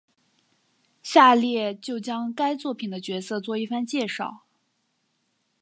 下列就将该作品的角色做一番介绍。